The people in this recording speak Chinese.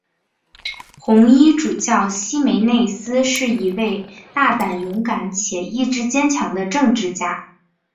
红衣主教希梅内斯是一位大胆勇敢且意志坚强的政治家。